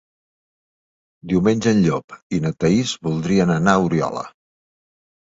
Diumenge en Llop i na Thaís voldrien anar a Oriola.